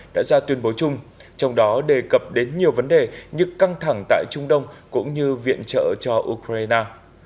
đã ra tuyên bố chung trong đó đề cập đến nhiều vấn đề như căng thẳng tại trung đông cũng như viện trợ cho ukraine